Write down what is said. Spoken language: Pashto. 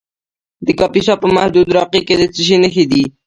د کاپیسا په محمود راقي کې د څه شي نښې دي؟